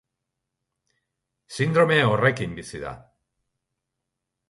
Sindrome horrekin bizi da.